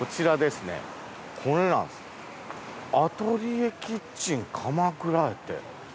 「アトリエキッチン鎌倉」やて。